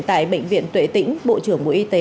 tại bệnh viện tuệ tĩnh bộ trưởng bộ y tế